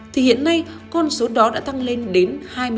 thì hiện nay con số đó đã tăng lên đến hai mươi năm ba mươi